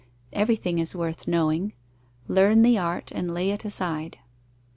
Everything is worth knowing: learn the art and lay it aside.